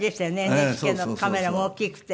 ＮＨＫのカメラも大きくて。